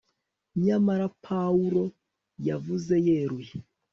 nyamara pawulo yavuze yeruye